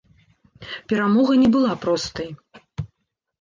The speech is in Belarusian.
Перамога не была простай.